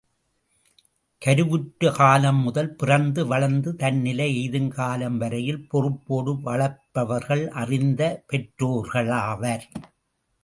கருவுற்ற காலம் முதல் பிறந்து வளர்ந்து தன் நிலை எய்தும் காலம் வரையில் பொறுப்போடு வளர்ப்பவர்கள் அறிந்த பெற்றோர்களாவர்.